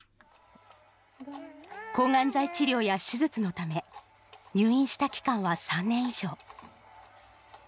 抗がん剤治療や手術のため、入院した期間は３年以上。